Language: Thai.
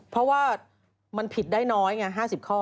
เพราะว่ามันผิดได้น้อยไง๕๐ข้อ